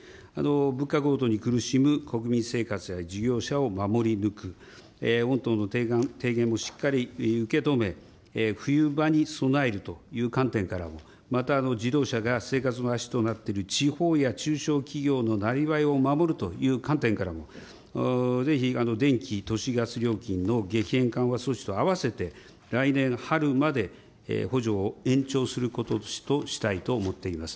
物価高騰に苦しむ国民生活や事業者を守り抜く、御党の提言もしっかり受け止め、冬場に備えるという観点からも、また自動車が生活の足となっている地方や中小企業のなりわいを守るという観点からも、ぜひ電気、都市ガス料金の激変緩和措置と合わせて、来年春まで補助を延長することとしたいと思っています。